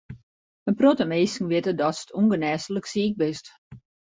In protte minsken witte datst ûngenêslik siik bist.